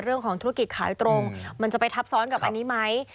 เรื่องของธุรกิจขายตรงมันจะไปทับซ้อนกับอันนี้ไหม